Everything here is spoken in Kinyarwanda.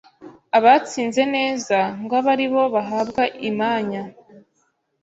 Abatsinze neza ngo abe ari bo bahabwa imanya